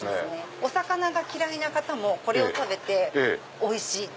お魚が嫌いな方もこれを食べておいしい！って。